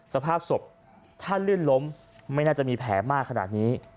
สภาพศพถ้าลื่นล้มไม่น่าจะมีแผลมากขนาดนี้